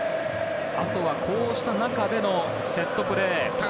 あとは、こうした中でのセットプレー。